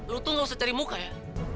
lu tuh gak usah cari muka ya